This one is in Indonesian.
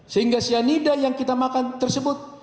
sehingga cyanida yang kita makan tersebut